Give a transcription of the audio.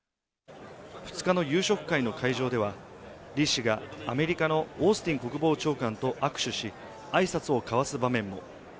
２日の夕食会の会場では李氏がアメリカのオースティン国防長官と握手し、挨拶を交わす場面も。